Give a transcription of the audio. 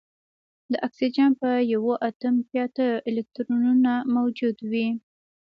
د اکسیجن په یوه اتوم کې اته الکترونونه موجود وي